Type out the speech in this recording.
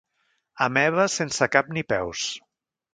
Ameba sense cap ni peus.